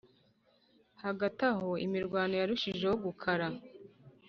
Hagati aho imirwano yarushijeho gukara